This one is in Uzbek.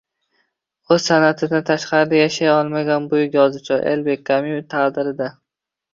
O‘z san’atidan tashqarida yashay olmagan buyuk yozuvchi Alber Kamyu taqdiri